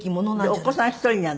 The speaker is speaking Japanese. お子さん１人なの？